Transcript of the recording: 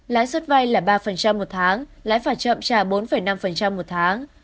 lãi suất vay là ba một tháng lãi phải chậm trả bốn năm một tháng